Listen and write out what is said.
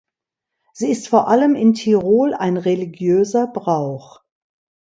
Sie ist vor allem in Tirol ein religiöser Brauch.